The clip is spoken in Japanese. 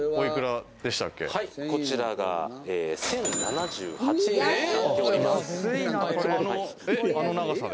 こちらが１０７８円になってあの長さで？